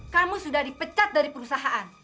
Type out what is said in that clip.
kamu sudah dipecat dari perusahaan